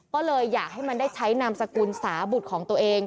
ก็เลยอยากให้มันได้ใช้นามสกุลสาบุตรของตัวเอง